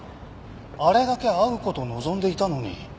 あれだけ会う事を望んでいたのに。